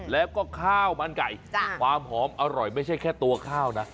แล้วก็ข้าวมันไก่ความหอมอร่อยไม่ใช่แค่ตัวข้าวนะ